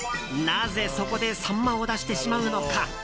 なぜ、そこでサンマを出してしまうのか。